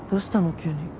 急に。